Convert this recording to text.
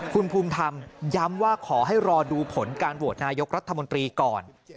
คุณภูมิธรรมย้ำว่าขอให้รอดูผลการโหวตนายกรัฐมนตรีก่อน